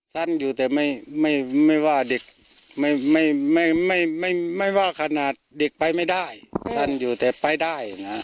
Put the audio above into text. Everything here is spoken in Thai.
สั้นอยู่แต่ไม่ว่าเด็กไม่ว่าขนาดเด็กไปไม่ได้สั้นอยู่แต่ไปได้นะ